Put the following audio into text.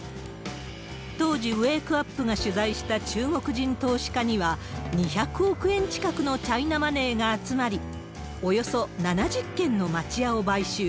当時、ウェークアップが取材した中国人投資家には、２００億円近くのチャイナマネーが集まり、およそ７０軒の町家を買収。